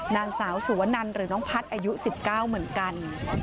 นางสาวสุวนันหรือน้องพัฒน์อายุ๑๙เหมือนกัน